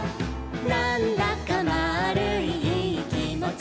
「なんだかまぁるいいいきもち」